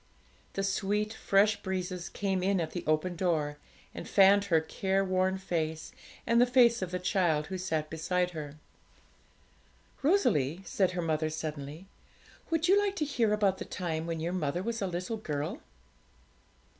The sweet fresh breezes came in at the open door, and fanned her careworn face and the face of the child who sat beside her. 'Rosalie,' said her mother suddenly, 'would you like to hear about the time when your mother was a little girl?'